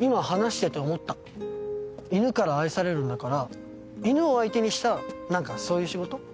今話してて思った犬から愛されるんだから犬を相手にした何かそういう仕事？